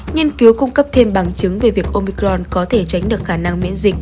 nghiên cứu cung cấp thêm bằng chứng về việc omicron có thể tránh được khả năng miễn dịch